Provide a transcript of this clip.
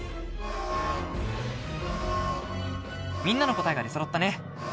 みんなの答えが出そろったね。